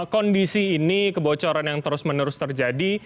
kondisi ini kebocoran yang terus menerus terjadi